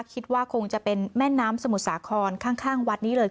คิดว่าคงจะเป็นแม่น้ำสมุทรสาครข้างวัดนี้เลย